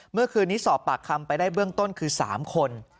เมื่อคืนนี้สอบปากคำไปได้เบื้องต้นคือ๓คน